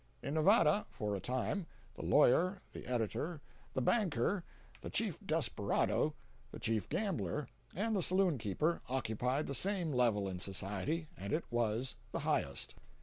In Nevada, for a time, the lawyer, the editor, the banker, the chief desperado, the chief gambler, and the saloon keeper, occupied the same level in society, and it was the highest.